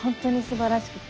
すばらしい。